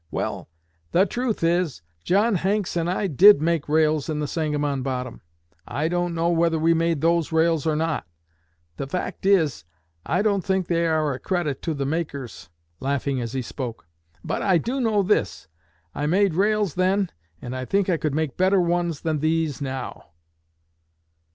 'Well, the truth is, John Hanks and I did make rails in the Sangamon Bottom. I don't know whether we made those rails or not; the fact is, I don't think they are a credit to the makers' (laughing as he spoke). 'But I do know this: I made rails then, and I think I could make better ones than these now.'